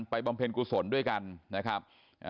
บำเพ็ญกุศลด้วยกันนะครับ